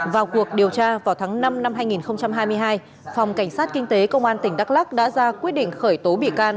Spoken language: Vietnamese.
vào cuộc điều tra vào tháng năm năm hai nghìn hai mươi hai phòng cảnh sát kinh tế công an tỉnh đắk lắc đã ra quyết định khởi tố bị can